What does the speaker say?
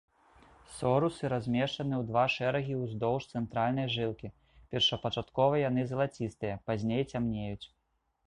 Сорусы размешчаны ў два шэрагі ўздоўж цэнтральнай жылкі, першапачаткова яны залацістыя, пазней цямнеюць.